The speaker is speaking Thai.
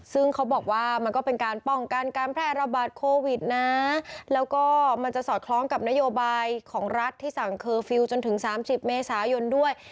ซึ่งเขาบอกว่ามันก็เป็นการป้องกันการแพร่ระบาดโควิดนะแล้วก็มันจะสอดคล้องกับนโยบายของรัฐที่สั่งเคอร์ฟิลล์จนถึง๓๐เมษายนด้วย